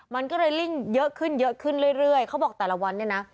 มันก็เลยลิ่งเยอะขึ้นเยอะขึ้นเรื่อยเขาบอกแต่ละวันเนี่ยนะ